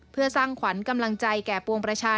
เพื่อสร้างขวัญกำลังใจแก่ปวงประชา